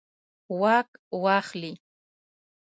واک واخلي.